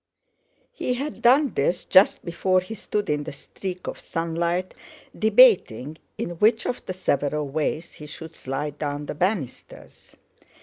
He had done this just before he stood in the streak of sunlight, debating in which of the several ways he should slide down the banisters.